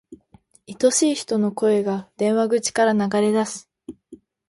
愛しい人の声が、電話口から流れ出す。